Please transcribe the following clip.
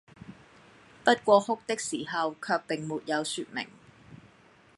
不過哭的時候，卻並沒有説明，